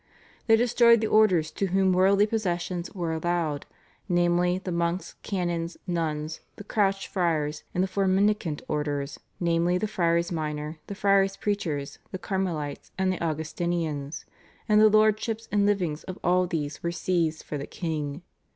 They destroyed the orders to whom worldly possessions were allowed, namely, the Monks, Canons, Nuns, the Crouched Friars, and the four Mendicant Orders, namely the Friars Minor, the Friars Preachers, the Carmelites, and the Augustinians, and the lordships and livings of all these were seized for the king.